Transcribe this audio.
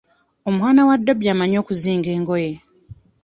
Omwana wa ddobi amanyi okuzinga engoye.